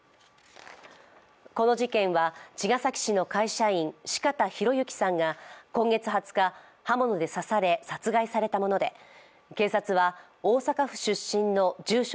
この事件は茅ケ崎市の会社員、四方洋行さんが今月２０日、刃物で刺され殺害されたもので警察は大阪府出身の住所